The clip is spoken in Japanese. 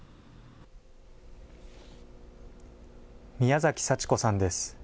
宮崎幸子さんです。